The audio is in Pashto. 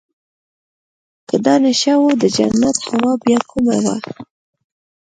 که دا نېشه وه د جنت هوا بيا کومه وه.